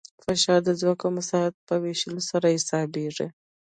فشار د ځواک او مساحت په ویشلو سره حسابېږي.